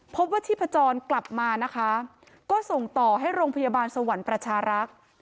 พบว่าชีพจรกลับมานะคะก็ส่งต่อให้โรงพยาบาลสวรรค์ประชารักษ์